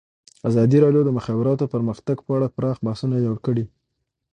ازادي راډیو د د مخابراتو پرمختګ په اړه پراخ بحثونه جوړ کړي.